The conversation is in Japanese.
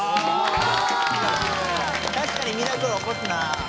たしかにミラクルおこすな。